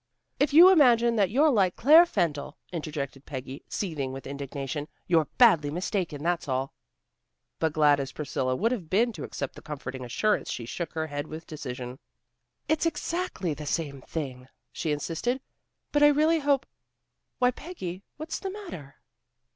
"If you imagine that you're like Claire Fendall," interjected Peggy, seething with indignation, "you're badly mistaken, that's all." But glad as Priscilla would have been to accept the comforting assurance she shook her head with decision. "It's exactly the same thing," she insisted. "But I really hope Why, Peggy, what's the matter?"